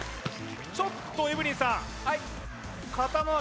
ちょっとエブリンさんはい？